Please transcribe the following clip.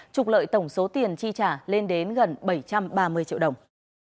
trục lợi tổng số tiền chi trả lên đến gần bảy trăm ba mươi triệu đồng